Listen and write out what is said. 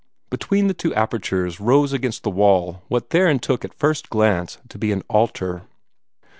Between the two apertures rose against the wall what Theron took at first glance to be an altar.